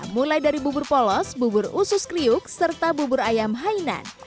mulai dari bubur polos bubur usus kriuk serta bubur ayam hainan